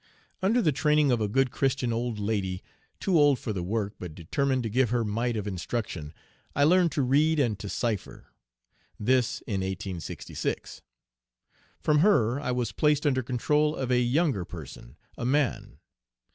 Under the training of a good Christian old lady, too old for the work, but determined to give her mite of instruction, I learned to read and to cipher this in 1866. From her I was placed under control of a younger person, a man.